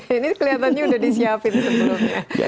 ini kelihatannya udah disiapin sebelumnya